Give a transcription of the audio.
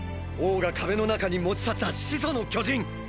王が壁の中に持ち去った「始祖の巨人」！！